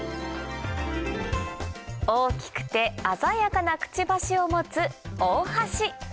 大きくて鮮やかなくちばしを持つオオハシ